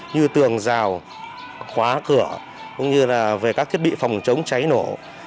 như tường rào khóa cửa cũng như là về các thiết bị phòng chống cháy nổ